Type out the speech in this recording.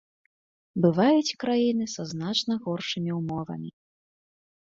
Бываюць краіны са значна горшымі ўмовамі.